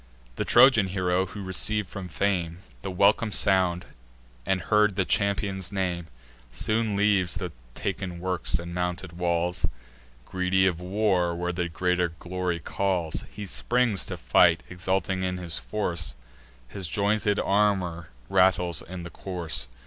The Trojan hero, who receiv'd from fame The welcome sound, and heard the champion's name, Soon leaves the taken works and mounted walls, Greedy of war where greater glory calls. He springs to fight, exulting in his force His jointed armour rattles in the course.